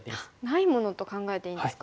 ないものと考えていいんですか。